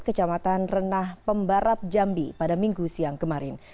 kecamatan renah pembarap jambi pada minggu siang kemarin